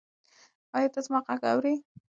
ایا ته زما غږ اورې؟